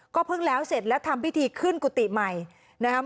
เพิ่งแล้วเสร็จแล้วทำพิธีขึ้นกุฏิใหม่นะครับ